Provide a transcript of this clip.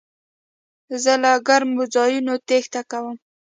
زه له ګرمو ځایونو تېښته کوم.